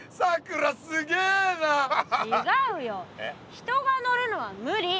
人が乗るのは無理。